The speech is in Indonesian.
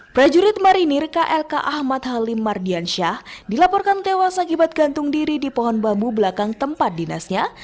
prajurit marinir klk ahmad halim mardiansyah dilaporkan tewas akibat gantung diri di pohon bambu belakang tempat dinasnya